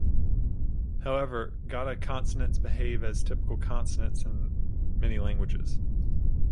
However, glottal consonants behave as typical consonants in many languages.